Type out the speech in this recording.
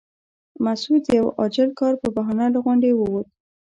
مسعود د یوه عاجل کار په بهانه له غونډې ووت.